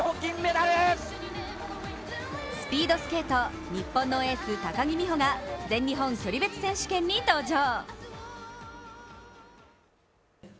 スピードスケート、日本のエース・高木美帆が全日本距離別選手権に登場！